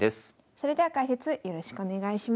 それでは解説よろしくお願いします。